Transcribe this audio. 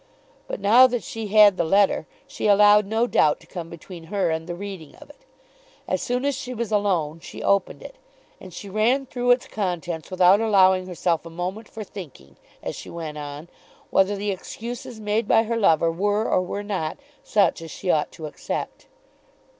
But now that she had the letter, she allowed no doubt to come between her and the reading of it. As soon as she was alone she opened it, and she ran through its contents without allowing herself a moment for thinking, as she went on, whether the excuses made by her lover were or were not such as she ought to accept.